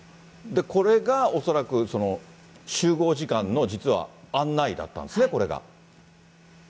これが恐らく集合時間の実は案内だったんですね、これが。